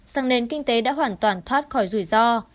rằng nền kinh tế đã hoàn toàn thoát khỏi rủi ro